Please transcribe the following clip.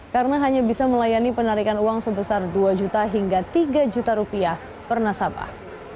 karena hanya bisa melayani penarikan uang sebesar dua juta hingga tiga juta rupiah per nasabah